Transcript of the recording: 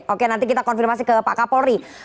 oke nanti kita konfirmasi ke pak kapolri